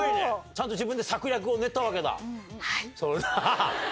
ちゃんと自分で策略を練ったはい。